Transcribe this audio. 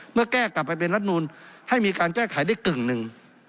เมื่อแก้กลับไปเป็นรัฐนูลให้มีการแก้ไขได้กึ่งหนึ่ง